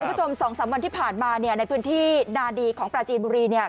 คุณผู้ชม๒๓วันที่ผ่านมาในพื้นที่ดาดีของปลาจีนบุรี